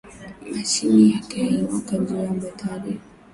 Machini yake aiwaki juya batterie